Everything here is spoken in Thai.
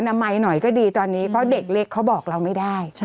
นามัยหน่อยก็ดีตอนนี้เพราะเด็กเล็กเขาบอกเราไม่ได้